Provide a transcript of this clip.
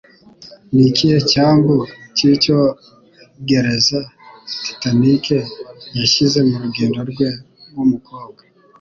Ni ikihe cyambu cy'icyongereza Titanic yashyize mu rugendo rwe rw'umukobwa?